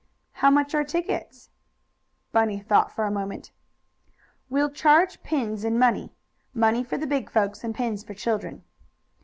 "How much are tickets?" Bunny thought for a moment. "We'll charge pins and money money for the big folks, pins for children."